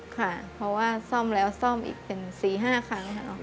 ค่ะเพราะว่าซ่อมแล้วซ่อมอีกเป็น๔๕ครั้งค่ะ